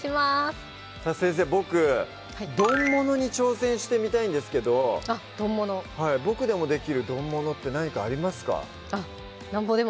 先生ボク丼ものに挑戦してみたいんですけどボクでもできる丼ものって何かありますか？